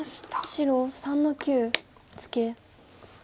白３の九ツケ。